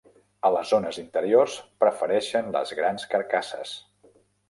A les zones interiors, prefereixen les grans carcasses.